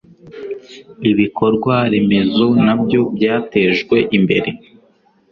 ibikorwa remezo nabyo byatejwe imbere